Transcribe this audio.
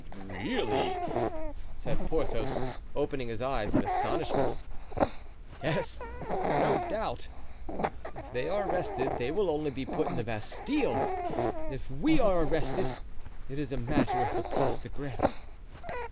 "Really?" said Porthos, opening his eyes in astonishment. "Yes, no doubt. If they are arrested they will only be put in the Bastile; if we are arrested it is a matter of the Place de Greve."